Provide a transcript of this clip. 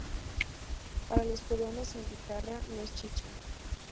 Para los peruanos, "sin guitarra no es chicha".